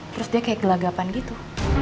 terus dia kayak gelagapan gitu